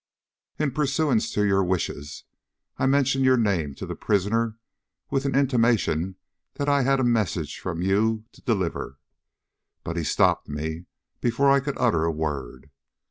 In pursuance to your wishes, I mentioned your name to the prisoner with an intimation that I had a message from you to deliver. But he stopped me before I could utter a word.